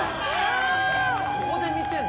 ここで見てるの？